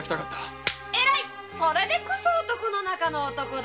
それでこそ男の中の男。